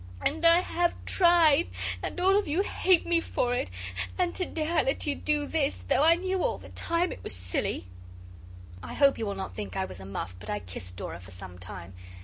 And I have tried, and all of you hate me for it; and to day I let you do this, though I knew all the time it was silly.' I hope you will not think I was a muff but I kissed Dora for some time.